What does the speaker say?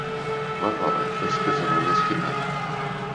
La roba els pesarà més que mai.